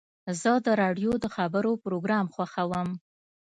زه د راډیو د خبرو پروګرام خوښوم.